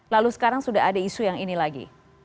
lalu sekarang sudah ada isu yang ini lagi